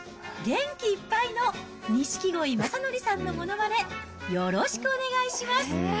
元気いっぱいの錦鯉・まさのりさんのものまね、よろしくお願いします。